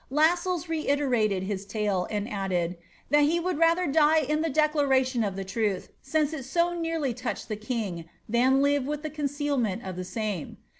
Lassells reiterated his tale, and added, ^Thtt he would rather die in the declaration of the truth since it ao nttriy touched the king than live with the concealment of the aame."